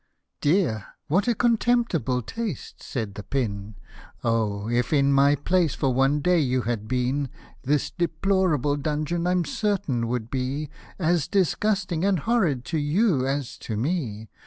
" Dear ! what a contemptible taste/' said the pin ;" Oh ! if in my place for one day you had been, This deplorable dungeon, I'm certain, would be As disgusting and horrid to you, as to me.